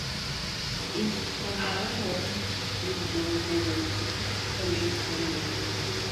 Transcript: East Timor won three bronze medals, all in Arnis.